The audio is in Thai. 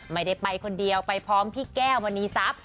ไม่ได้ไปคนเดียวไปพร้อมพี่แก้ววันนี้ซับ